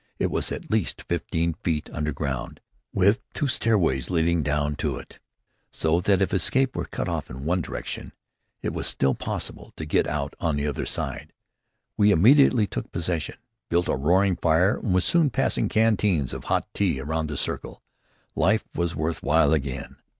It was at least fifteen feet underground, with two stairways leading down to it, so that if escape was cut off in one direction, it was still possible to get out on the other side. We immediately took possession, built a roaring fire, and were soon passing canteens of hot tea around the circle. Life was worth while again.